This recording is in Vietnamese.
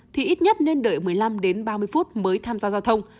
thì ít nhất nên đợi một mươi năm đến ba mươi phút mới tham gia giao thông